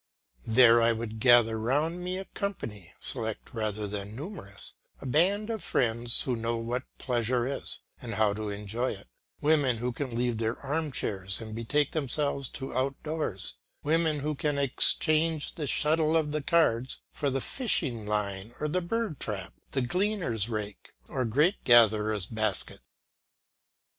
There I would gather round me a company, select rather than numerous, a band of friends who know what pleasure is, and how to enjoy it, women who can leave their arm chairs and betake themselves to outdoor sports, women who can exchange the shuttle or the cards for the fishing line or the bird trap, the gleaner's rake or grape gatherer's basket.